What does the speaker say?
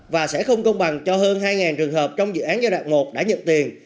và sẽ không công bằng cho hơn hai trường hợp trong dự án giai đoạn một đã nhận tiền